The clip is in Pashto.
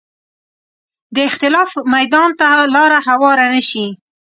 د اختلاف میدان ته لاره هواره نه شي